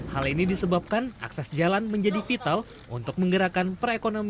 hal ini disebabkan akses jalan menjadi vital untuk kembali ke kota